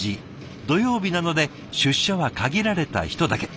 土曜日なので出社は限られた人だけ。